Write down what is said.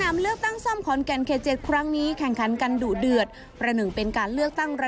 ผูกกุมสระหน้าเสียงพักเพื่อไทแช้มเก่า